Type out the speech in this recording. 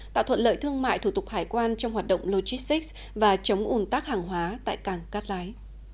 tạo thuận lợi thương mại thủ tục hải quan trong hoạt động logistics và chống ủn tắc hàng hóa tại cảng cát lái